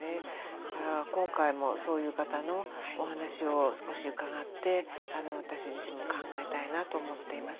だから今回もそういう方のお話を少し伺って私自身も考えたいなと思っています。